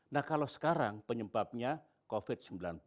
nah kalau sekarang penyebabnya covid sembilan belas